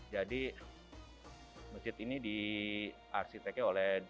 jadi masjid ini diarsiteknya oleh